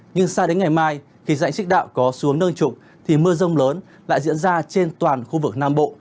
nhưng xa đến ngày mai khi dãy xích đạo có xuống nâng trục thì mưa rông lớn lại diễn ra trên toàn khu vực nam bộ